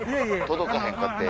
届かへんかって。